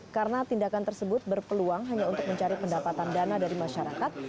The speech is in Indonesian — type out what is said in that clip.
karena tindakan tersebut berpeluang hanya untuk mencari pendapatan dana dari masyarakat